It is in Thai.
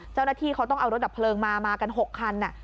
เจ้าหน้าที่เขาต้องเอารถดับเพลิงมามากัน๖คัน